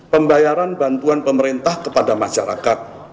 pembayaran bantuan pemerintah kepada masyarakat